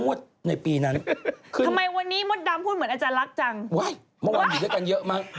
ว้ายมันอยู่ด้วยกันเยอะมั้ง